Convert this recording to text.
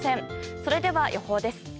それでは、予報です。